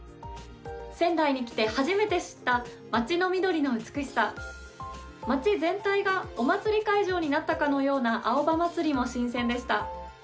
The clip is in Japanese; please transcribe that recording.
仙台に来て初めて知った町の緑の美しさ、町全体がお祭り会場になったかのような青葉祭りも新鮮でした。